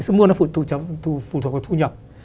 sức mua nó phụ thuộc vào thu nhập